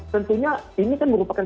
tentunya ini kan merupakan